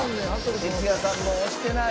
鉄矢さんも押してない。